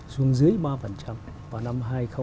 xuống dưới ba vào năm hai nghìn hai mươi